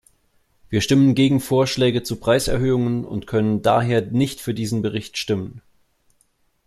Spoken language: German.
Wir stimmen gegen Vorschläge zu Preiserhöhungen und können daher nicht für diesen Bericht stimmen.